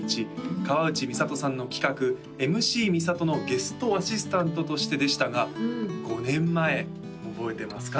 河内美里さんの企画「ＭＣみさと」のゲストアシスタントとしてでしたが５年前覚えてますか？